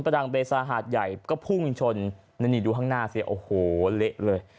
ดังเบซาหาดใหญ่ก็พุ่งชนนี่ดูข้างหน้าสิโอ้โหเละเลย